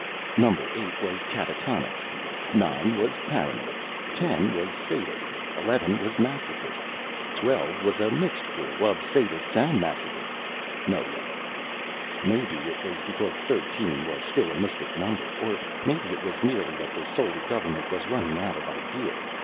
Number Eight was catatonics. Nine was paranoids. Ten was sadists. Eleven was masochists. Twelve was a mixed crew of sadists and masochists. No luck. Maybe it was because thirteen was still a mystic number, or maybe it was merely that the Solar Government was running out of ideas.